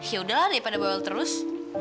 ya udahlah deh pada bawel terus